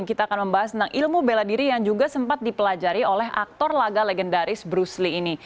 kita akan membahas tentang ilmu bela diri yang juga sempat dipelajari oleh aktor laga legendaris bruce lee ini